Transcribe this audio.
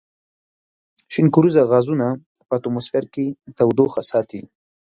شینکوریزه غازونه په اتموسفیر کې تودوخه ساتي.